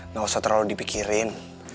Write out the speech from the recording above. gak usah terlalu dipikirin